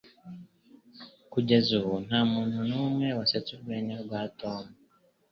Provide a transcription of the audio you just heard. Kugeza ubu, nta muntu numwe wasetse urwenya rwa Tom.